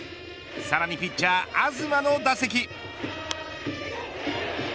さらにピッチャー東の打席。